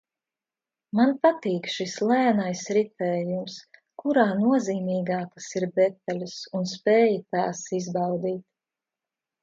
Man patīk šis lēnais ritējums, kurā nozīmīgākas ir detaļas un spēja tās izbaudīt